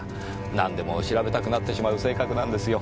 何でも調べたくなってしまう性格なんですよ。